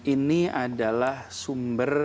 ini adalah sumber